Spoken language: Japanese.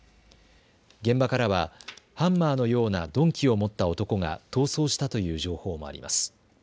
現場からはハンマーのような鈍器を持った男が逃走したという情報もあります。